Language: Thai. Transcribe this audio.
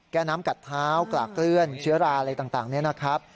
แก้น้ำกัดเท้ากลากเลื่อนเชื้อราอะไรต่างนี้นะครับ